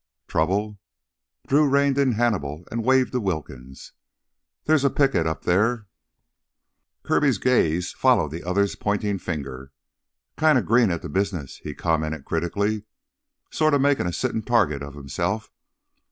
"Trouble!" Drew reined in Hannibal and waved to Wilkins. "There's a picket up there...." Kirby's gaze followed the other's pointing finger. "Kinda green at the business," he commented critically. "Sorta makin' a sittin' target of hisself.